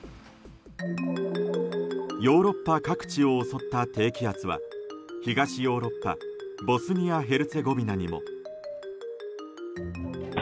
ヨーロッパ各地を襲った低気圧は東ヨーロッパボスニア・ヘルツェゴビナにも。